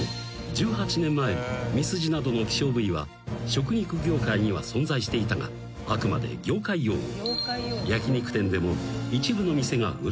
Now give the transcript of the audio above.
１８年前にミスジなどの希少部位は食肉業界には存在していたがあくまで業界用語］